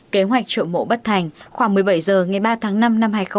kế hoạch trộm mộ bất thành khoảng một mươi bảy h ngày ba tháng năm năm hai nghìn hai mươi